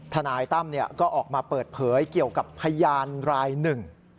ทนายตั้มก็ออกมาเปิดเผยเกี่ยวกับพยานรายหนึ่ง